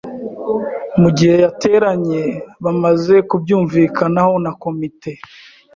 mu gihe yateranye bamaze kubyumvikanaho na komite